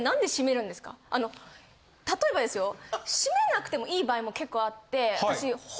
例えばですよ閉めなくてもいい場合も結構あって私。